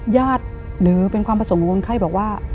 หรือเป็นความประสงค์ของคนไข้บอกว่า